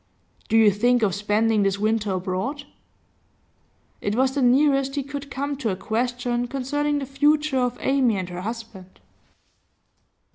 'Do you think of spending this winter abroad?' It was the nearest he could come to a question concerning the future of Amy and her husband.